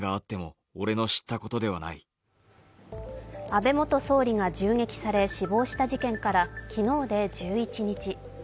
安倍元総理が銃撃され死亡した事件から昨日で１１日。